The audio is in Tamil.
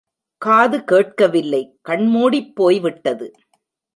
காது கேட்கவில்லை கண்மூடிப் போய்விட்டது.